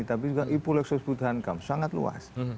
tapi juga ipu leksos butuhan kampus sangat luas